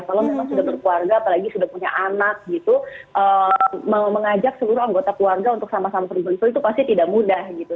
kalau memang sudah berkeluarga apalagi sudah punya anak gitu mengajak seluruh anggota keluarga untuk sama sama berbentuk itu pasti tidak mudah gitu